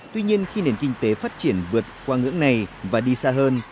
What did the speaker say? tuy nhiên khi nền kinh tế phát triển vượt qua ngưỡng này và đi xa hơn